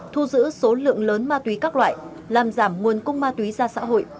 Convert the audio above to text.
thu giữ số lượng lớn ma túy các loại làm giảm nguồn cung ma túy ra xã hội